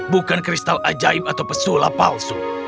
bukan kristal ajaib atau pesola palsu